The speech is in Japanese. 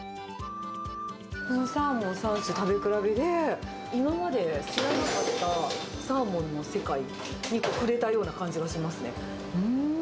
このサーモン三種食べ比べで、今まで知らなかったサーモンの世界に触れたような感じがしますね。